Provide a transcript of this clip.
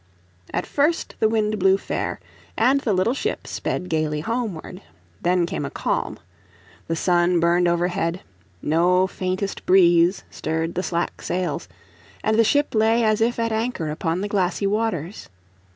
At first the wind blew fair, and the little ship sped gaily homeward. Then came a calm. The sun burned overhead, no faintest breeze stirred the slack sails, and the ship lay as if at anchor upon the glassy waters.